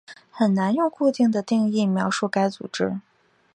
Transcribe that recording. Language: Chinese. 很难用固定的定义描述该组织。